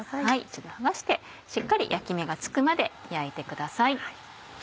一度剥がしてしっかり焼き目がつくまで焼いてください。